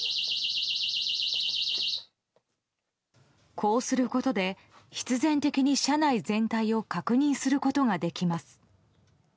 こうすることで必然的に車内全体を確認することができます。